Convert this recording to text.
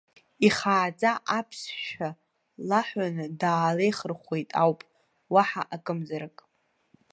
Ихааӡа аԥсшәа лаҳәаны даалеихырхәеит ауп, уаҳа акымзарак.